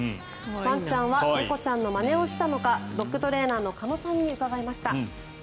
ワンちゃんは猫ちゃんのまねをしたのかドッグトレーナーの鹿野さんに伺いました。